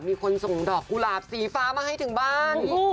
มีคนส่งดอกกุหลาบสีฟ้ามาให้ถึงบ้าน